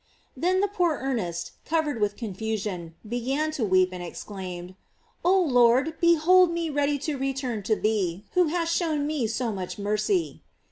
Then the poor Ernest, covered with confusion, began to weep, and exclaimed: "Oh Lord, behold me ready to return to thee, who hast shown me so much mercy."